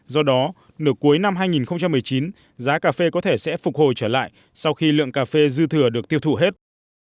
do đó nửa cuối năm hai nghìn một mươi chín giá cà phê có thể sẽ phục hồi trở lại sau khi lượng cà phê dư thừa được tiêu thụ hết